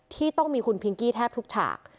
ที่ต้องมีคุณพิงกี้แทบทุกฉาก